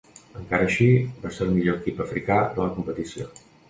Encara així, va ser el millor equip africà de la competició.